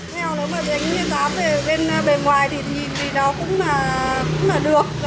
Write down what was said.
theo nếu mà đánh giá về bên ngoài thì nhìn thì nó cũng là được